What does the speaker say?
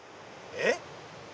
えっ？